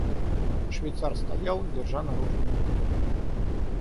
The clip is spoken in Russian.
Швейцар стоял, держа наружную дверь.